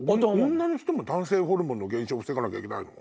女の人も男性ホルモンの減少を防がなきゃいけないの？